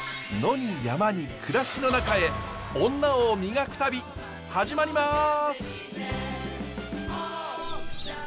野に山に暮らしの中へ女を磨く旅始まります。